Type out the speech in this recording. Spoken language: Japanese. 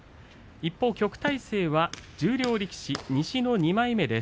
一方、旭大星は十両力士、西の２枚目です。